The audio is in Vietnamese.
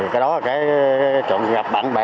cái đó là cái trộn gặp bạn bè